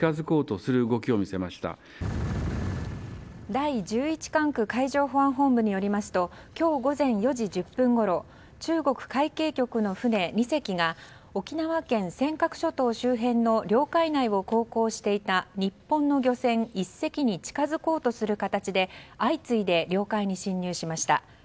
第１１管区海上保安本部によりますと今日午前４時１０分ごろ中国海警局の船２隻が沖縄県尖閣諸島周辺の領海内を航行していた日本の漁船１隻に近づこうとする形で相次いで領海に侵入しました。